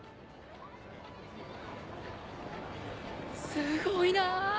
すごいな。